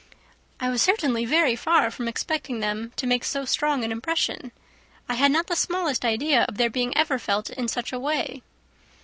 "I was certainly very far from expecting them to make so strong an impression. I had not the smallest idea of their being ever felt in such a way."